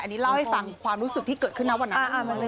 อันนี้เล่าให้ฟังความรู้สึกที่เกิดขึ้นนะวันนั้น